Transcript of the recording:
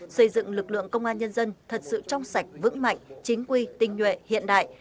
xây dựng lực lượng công an nhân dân thật sự trong sạch vững mạnh chính quy tinh nhuệ hiện đại